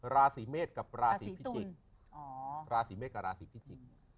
ราศิเมศกับราศิพิจิตร